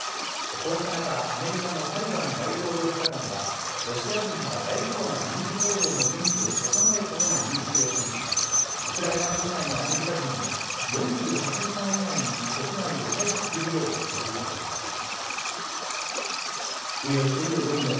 こうした中、アメリカのサリバン大統領補佐官は、ロシア軍が大規模な軍事行動の準備を整えたとの認識を示し、ウクライナ国内のアメリカ人に、４８時間以内に国外へ退避するよう、呼びかけました。